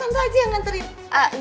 tante aja yang nganterin